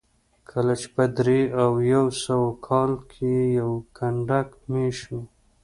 کله چې په درې او یو سوه کال کې یو کنډک مېشت شو